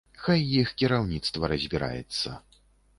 Хай іх кіраўніцтва разбіраецца.